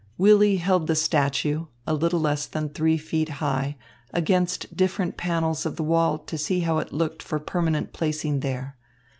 Willy held the statue, a little less than three feet high, against different panels of the wall to see how it looked for permanent placing there.